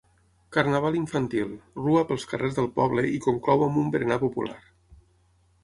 Carnaval infantil: rua pels carrers del poble i conclou amb un berenar popular.